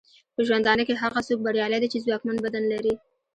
په ژوندانه کې هغه څوک بریالی دی چې ځواکمن بدن لري.